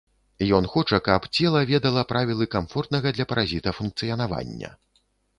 Ён хоча, каб цела ведала правілы камфортнага для паразіта функцыянавання.